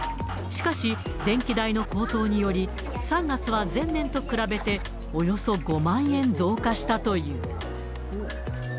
しかし、電気代の高騰により、３月は前年と比べておよそ５万円増加したという。